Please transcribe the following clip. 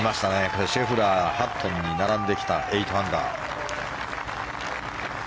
これでシェフラーハットンに並んできた８アンダー。